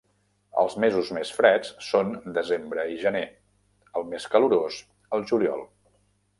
Els mesos més freds són desembre i gener; el més calorós, el juliol.